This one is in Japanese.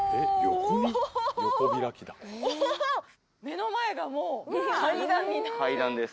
目の前がもう階段に。